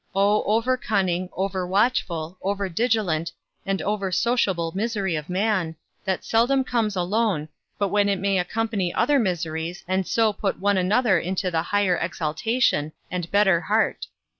O over cunning, over watchful, over diligent, and over sociable misery of man, that seldom comes alone, but then when it may accompany other miseries, and so put one another into the higher exaltation, and better heart.